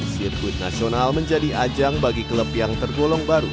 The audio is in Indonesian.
sirkuit nasional menjadi ajang bagi klub yang tergolong baru